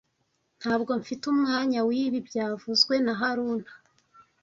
Ntabwo mfite umwanya wibi byavuzwe na haruna